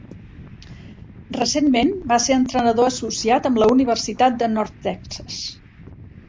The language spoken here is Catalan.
Recentment va ser entrenador associat amb la Universitat de North Texas.